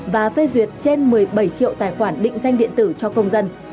và phê duyệt trên một mươi bảy triệu tài khoản định danh điện tử cho công dân